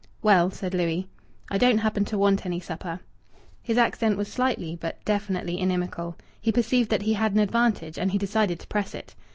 "Well," said Louis, "I don't happen to want any supper." His accent was slightly but definitely inimical. He perceived that he had an advantage, and he decided to press it.